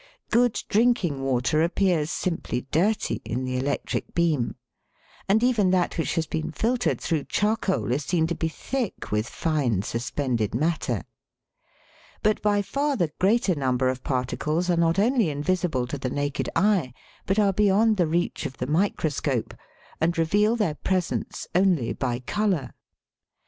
Good drinking water appears simply dirty in the electric beam, and even that which has been filtered through charcoal is seen to be thick with fine suspended matter ; but by far the greater number of particles are not only invisible to the naked eye, but are beyond the reach of the microscope, and reveal their presence only by colour.